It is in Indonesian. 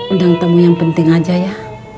undang tamu yang penting aja ya